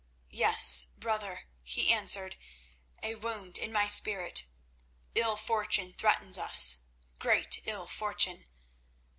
"Yes, brother," he answered, "a wound in my spirit. Ill fortune threatens us—great ill fortune."